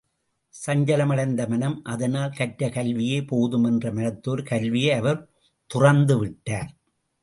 சஞ்சலமடைந்தது மனம் அதனால், கற்ற கல்வியே போதும் என்ற மனதோடு கல்வியை அவர் துறந்து விட்டார்.